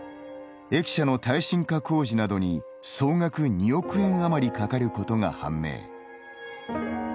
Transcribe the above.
駅舎の耐震化工事などに総額２億円余りかかることが判明。